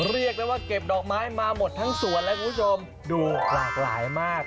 เรียกได้ว่าเก็บดอกไม้มาหมดทั้งสวนแล้วคุณผู้ชมดูหลากหลายมาก